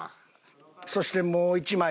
そしてもう１枚ですね。